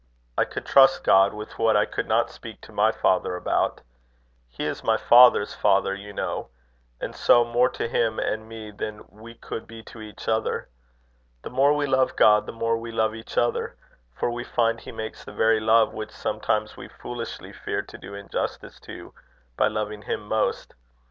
I could trust God with what I could not speak to my father about. He is my father's father, you know; and so, more to him and me than we could be to each other. The more we love God, the more we love each other; for we find he makes the very love which sometimes we foolishly fear to do injustice to, by loving him most.